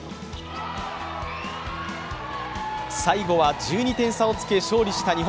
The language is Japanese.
最後は１２点差をつけ勝利した日本。